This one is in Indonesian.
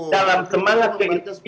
dalam semangat ke